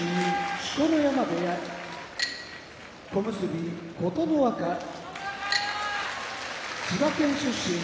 錣山部屋小結・琴ノ若千葉県出身